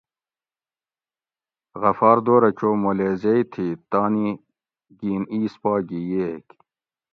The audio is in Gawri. غفار دورہ چو مولیزیئ تھی تانی گھین ایس پا گی ییگ